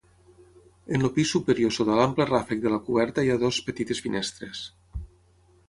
En el pis superior sota l'ample ràfec de la coberta hi ha dues petites finestres.